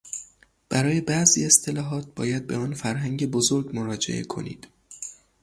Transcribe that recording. برای بعضی اصطلاحات باید به آن فرهنگ بزرگ مراجعه کنید!